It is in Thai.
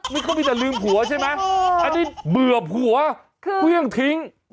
มันก็มีแต่ลืมหัวใช่ไหมอันนี้เบื่อหัวเพราะยังทิ้ง